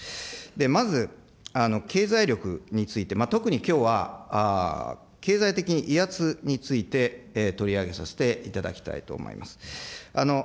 まず、経済力について、特にきょうは、経済的威圧について取り上げさせていただきたいと思います。